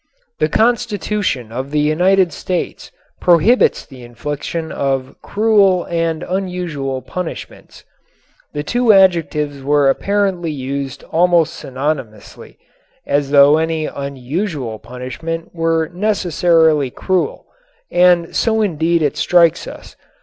The Constitution of the United States prohibits the infliction of "cruel and unusual punishments." The two adjectives were apparently used almost synonymously, as though any "unusual" punishment were necessarily "cruel," and so indeed it strikes us.